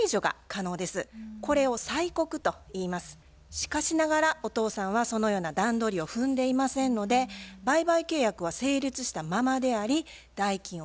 しかしながらお父さんはそのような段取りを踏んでいませんので売買契約は成立したままであり代金を支払う義務があると考えます。